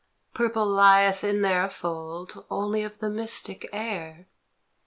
Purple lieth in their fold Only of the mystic air